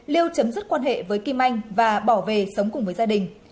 liêu chấm dứt quan hệ với kim anh và bỏ về sống cùng với gia đình